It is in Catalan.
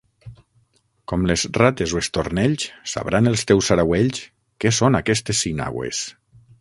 Com les rates o estornells, sabran els teus saragüells què són aquestes sinagües!